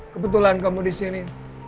kebetulan kamu disini